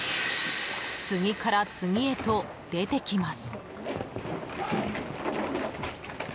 次から次へと出てきます。